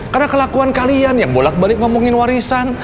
karena kelakuan kalian yang bolak balik ngomongin warisan